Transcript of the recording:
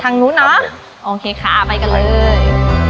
ทางนู้นเนอะโอเคค่ะไปกันเลย